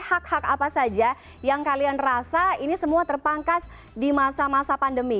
hak hak apa saja yang kalian rasa ini semua terpangkas di masa masa pandemi